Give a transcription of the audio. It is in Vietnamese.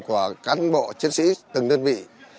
của cán bộ chiến sĩ từng đơn vị